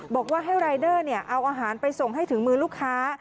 บอกว่าให้รายเดอร์เอาอาหารไปส่งให้ถึงมือลูกค้า